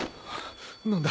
何だ！？